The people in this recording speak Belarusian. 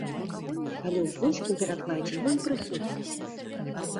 Але ў польскім перакладзе ён прысутны.